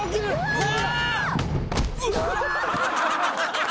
うわ！